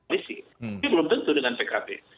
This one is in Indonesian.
tapi belum tentu dengan pkp